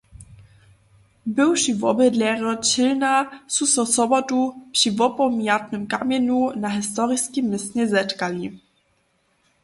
Bywši wobydlerjo Čelna su so sobotu při wopomjatnym kamjenju na historiskim městnje zetkali.